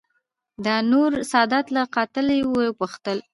دانور سادات له قاتل یې وپوښتل